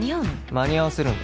間に合わせるんだ